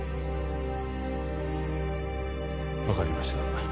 わかりました。